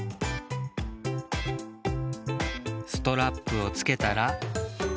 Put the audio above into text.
ストラップをつけたら。